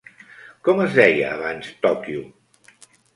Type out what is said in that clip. Com es deia abans Tòquio?